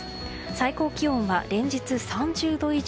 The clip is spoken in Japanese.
最高気温は連日３０度以上。